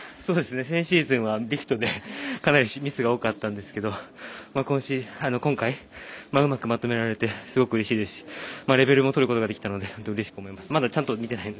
先シーズンはかなりリフトでミスが多かったんですけど今回うまくまとめられてすごくうれしいですしレベルもとることができたので本当にうれしく思います。